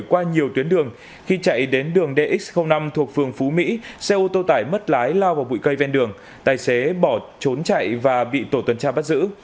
qua nhiều tuyến đường khi chạy đến đường dx năm thuộc phường phú mỹ xe ô tô tải mất lái lao vào bụi cây ven đường tài xế bỏ trốn chạy và bị tổ tuần tra bắt giữ